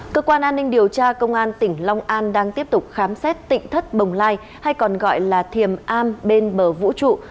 cơ quan an ninh điều tra công an tỉnh long an đang tiếp tục khám xét tỉnh thất bồng lai hay còn gọi là thiềm am bên bờ vũ trụ